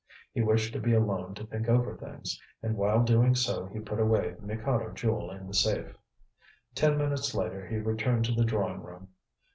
He wished to be alone to think over things, and while doing so he put away the Mikado Jewel in the safe. Ten minutes later he returned to the drawing room.